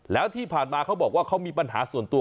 แล้วที่ผ่านมาเขาบอกว่าเขามีปัญหาส่วนตัว